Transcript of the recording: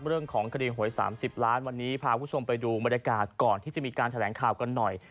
เรื่องของคดีหวย๓๐ล้านวันนี้พาคุณผู้ชมไปดูบรรยากาศก่อนที่จะมีการแถลงข่าวกันหน่อย